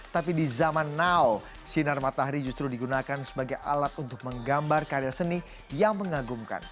tapi di zaman now sinar matahari justru digunakan sebagai alat untuk menggambar karya seni yang mengagumkan